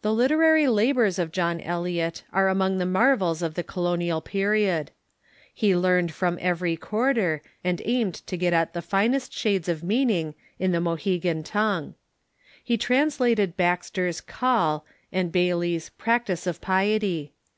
The literary labors of John Eliot are among the marvels of the Colonial Period. lie learned from every quarter, and aimed to get at the finest shades of meaning in the Mohe His Literary tongue. He translated Baxter's "Call" and Labors f^ a Bayly's " Practice of Piety.'